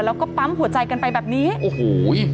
แล้วก็ปั๊มหัวใจกันไปแบบนี้โอ้โห